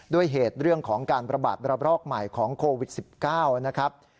ด้วยเหตุเรื่องของการประบาดระบรอกใหม่ของโควิด๑๙นะครับ